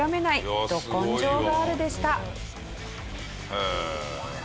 へえ。